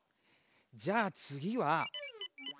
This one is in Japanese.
じゃあつぎは。